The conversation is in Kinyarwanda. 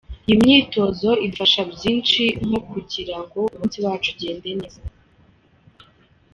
Iyi myitozo idufasha byinshi, nko kugira ngo umunsi wacu ugende neza.